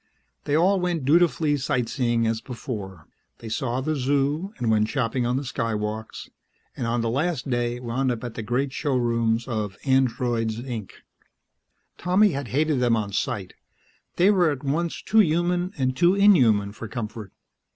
They all went dutifully sight seeing as before; they saw the Zoo, and went shopping on the Skywalks, and on the last day wound up at the great showrooms of "Androids, Inc." Tommy had hated them on sight; they were at once too human and too inhuman for comfort.